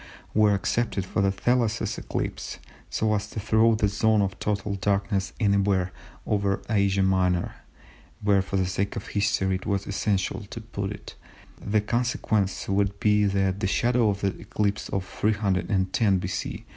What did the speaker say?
were accepted for the Thales eclipse, so as to throw the zone of total darkness anywhere over Asia Minor (where for the sake of history it was essential to put it) the consequence would be that the shadow of the eclipse of 310 B.C.